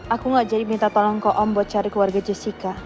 aku gak jadi minta tolong ke om buat cari keluarga jessica